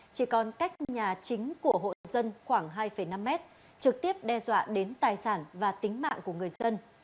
chỉ còn cách nhà chính của hộ dân khoảng hai năm mét trực tiếp đe dọa đến tài sản và tính mạng của người dân